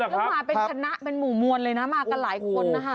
แล้วมาเป็นคณะเป็นหมู่มวลเลยนะมากันหลายคนนะคะ